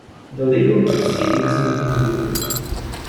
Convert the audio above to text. The legal proceedings continue.